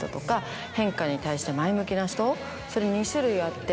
それ２種類あって。